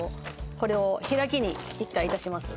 これを開きに一回いたします